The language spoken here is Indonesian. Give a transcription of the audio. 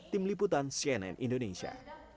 tim liputan cnn indonesia